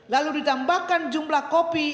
lalu ditambahkan jumlah kopi